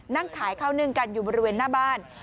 นั่งขายข้าวนึ่งกันอยู่บริเวณหน้าบ้าน